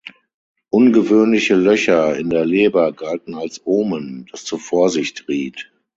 Ungewöhnliche Löcher in der Leber galten als Omen, das zur Vorsicht riet.